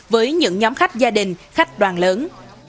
với những nhóm khách gia đình khách đoàn lớn